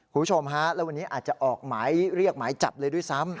คุณผู้ชมฮะแล้ววันนี้อาจจะออกหมายเรียกหมายจับเลยด้วยซ้ำ